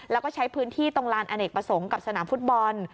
แล้วก็ใช้พื้นที่ตรงลานอเนกประสงค์กับสนามฟุตบอล